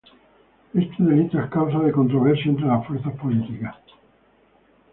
Este delito es causa de controversia entre las fuerzas políticas.